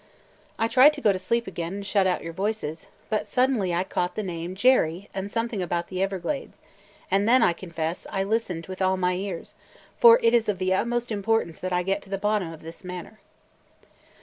I tried to go to sleep again and shut out your voices, but suddenly I caught the name 'Jerry' and something about the Everglades; and then, I confess, I listened with all my ears, for it is of the utmost importance that I get to the bottom of this matter.